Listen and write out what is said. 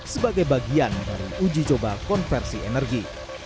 sebagai bagian dari uji coba konversi energi